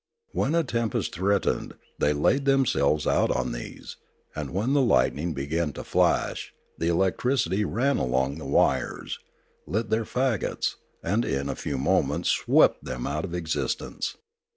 When a tempest threatened, they laid themselves out on these, and when the lightning began to flash, the electricity ran along the wires, lit their fagots, and in a few moments swept them out of existence.